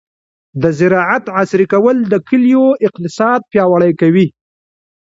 د زراعت عصري کول د کلیو اقتصاد پیاوړی کوي.